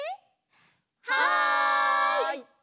はい！